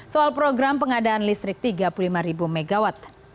soal program pengadaan listrik tiga puluh lima mw